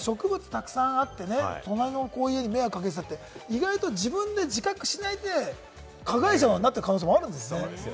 たくさんあってね、隣の家に迷惑かけてたって意外と自分で自覚しないで加害者側になってる可能性もあるんですね。